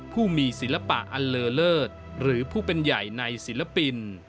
ผู้มีศิลปะอันเลอเลิศหรือผู้เป็นใหญ่ในศิลปิน